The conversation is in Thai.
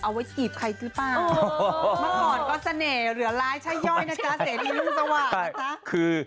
เอาไว้จีบใครหรือเปล่าเมื่อก่อนก็เสน่ห์เหลือร้ายใช่ย่อยนะจ๊ะเสรีรุ่งสว่างนะจ๊ะคือ